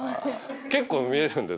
結構見えるんで。